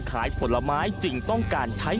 สวัสดีครับ